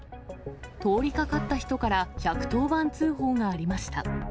通りかかった人から１１０番通報がありました。